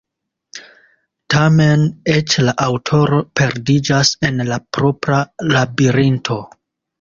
Tamen, eĉ la aŭtoro perdiĝas en la propra labirinto.